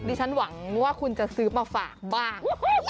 ฉันหวังว่าคุณจะซื้อมาฝากบ้าง